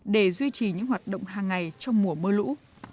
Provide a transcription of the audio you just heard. để duy trì những hoạt động hàng ngày trong mùa mưa lũ